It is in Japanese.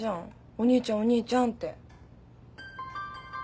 お兄ちゃんお兄ちゃんって。